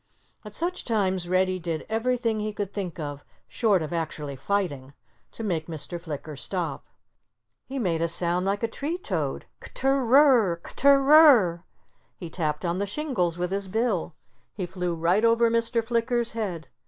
At such times Reddy did everything he could think of—short of actually fighting—to make Mr. Flicker stop. He made a sound like a tree toad, ktr rr, kttr r r. He tapped on the shingles with his bill. He flew right over Mr. Flicker's head.